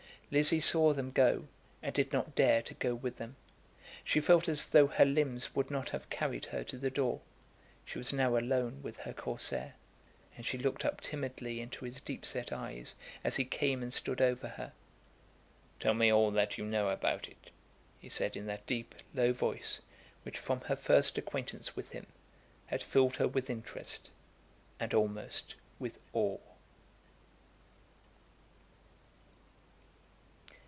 Lizzie saw them go, and did not dare to go with them. She felt as though her limbs would not have carried her to the door. She was now alone with her Corsair; and she looked up timidly into his deep set eyes, as he came and stood over her. "Tell me all that you know about it," he said, in that deep, low voice which, from her first acquaintance with him, had filled her with interest, and almost with awe.